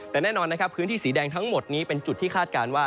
แต่แน่นอนนะครับพื้นที่สีแดงทั้งหมดนี้เป็นจุดที่คาดการณ์ว่า